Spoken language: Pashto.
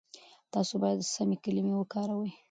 تاسو بايد سمې کلمې وکاروئ.